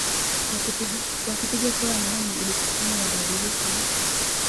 wakipiga kura ya maoni ilikufanya mabadiliko ya